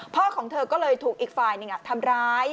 ของเธอก็เลยถูกอีกฝ่ายหนึ่งทำร้าย